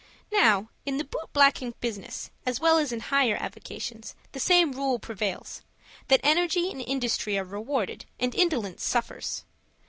Now, in the boot blacking business, as well as in higher avocations, the same rule prevails, that energy and industry are rewarded, and indolence suffers.